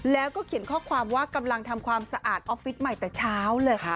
แล้วก็เขียนข้อความว่ากำลังทำความสะอาดออฟฟิศใหม่แต่เช้าเลยค่ะ